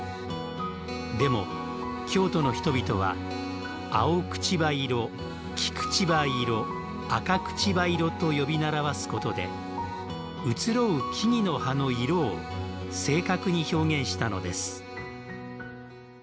でも、京都の人々は青朽葉色、黄朽葉色紅朽葉色と呼び習わすことで移ろう木々の葉の色を正確に表現したのです。